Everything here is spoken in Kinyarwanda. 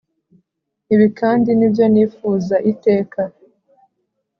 ibi kandi nibyo nifuza iteka